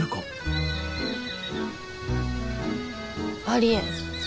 ありえん。